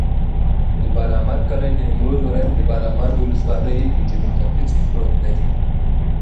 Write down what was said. د بالامرګ کلی د نیمروز ولایت، بالامرګ ولسوالي په جنوب ختیځ کې پروت دی.